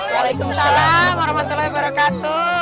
waalaikumsalam warahmatullahi wabarakatuh